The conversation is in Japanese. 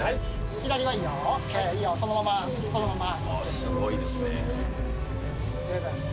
左はいいよ、そのまま、すごいですね。